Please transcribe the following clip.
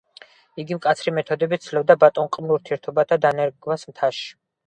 იგი მკაცრი მეთოდებით ცდილობდა ბატონყმურ ურთიერთობათა დანერგვას მთაში.